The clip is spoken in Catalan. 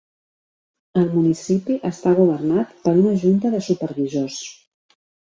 El municipi està governat per una Junta de Supervisors.